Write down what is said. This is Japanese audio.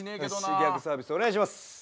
ギャグサービスお願いします。